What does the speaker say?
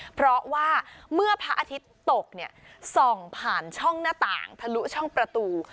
เพราะว่าเมื่อพระอาทิตย์ตกเนี่ยส่องผ่านช่องหน้าต่างทะลุช่องประตู